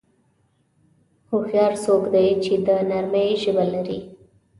هوښیار څوک دی چې د نرمۍ ژبه لري.